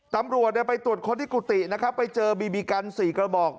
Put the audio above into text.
ตำรวจไปตรวจค้นที่กุฏินะครับไปเจอบีบีกัน๔กระบอก